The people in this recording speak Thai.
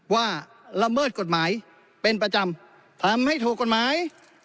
ละเมิดกฎหมายเป็นประจำทำให้ถูกกฎหมาย